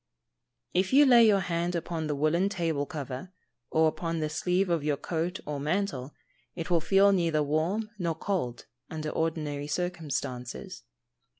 If you lay your hand upon the woollen table cover, or upon the sleeve of your coat or mantle, it will feel neither warm nor cold, under ordinary circumstances.